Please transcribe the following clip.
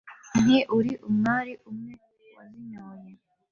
Nti : „Uri umwari umwe wazinyoye, ,